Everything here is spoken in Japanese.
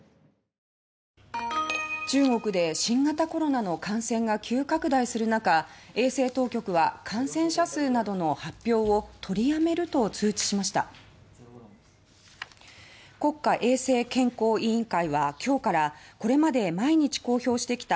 中国で新型コロナの感染が急拡大する中衛生当局は感染者数などの発表を取りやめると通知しました。